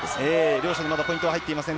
両者にまだポイントは入っていません。